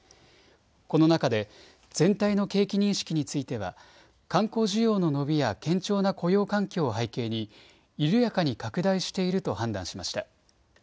この中で全体の景気認識については観光需要の伸びや堅調な雇用環境を背景に緩やかに拡大していると判断しました。